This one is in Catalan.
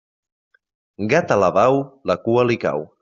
Gat alabau, la cua li cau.